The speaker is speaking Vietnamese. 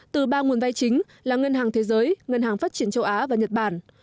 từ ba nguồn vay chính là ngân hàng thế giới ngân hàng phát triển châu á và nhật bản